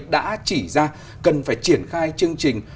đã chỉ ra cần phải triển khai chương trình